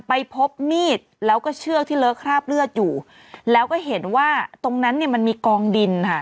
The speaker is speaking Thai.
ไปพบมีดแล้วก็เชือกที่เลอะคราบเลือดอยู่แล้วก็เห็นว่าตรงนั้นเนี่ยมันมีกองดินค่ะ